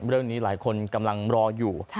เรื่องนี้หลายคนกำลังรออยู่